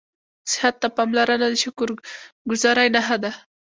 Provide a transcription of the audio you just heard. صحت ته پاملرنه د شکرګذارۍ نښه ده